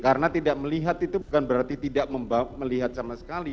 karena tidak melihat itu bukan berarti tidak melihat sama sekali